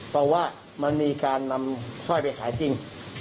เพราะว่ามันมีการนำสร้อยไปขายจริง